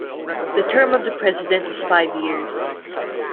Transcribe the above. The term of the president is five years.